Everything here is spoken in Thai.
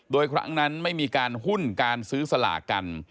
โดยครั้งนั้นไม่มีการหุ้นการซื้อสลากกัน